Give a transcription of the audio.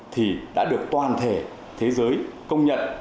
thì đã được toàn thể thế giới công nhận